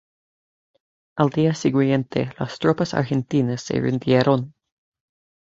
Al día siguiente las tropas argentinas se rindieron.